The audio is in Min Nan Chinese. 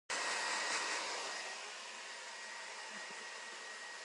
食若牛，做若龜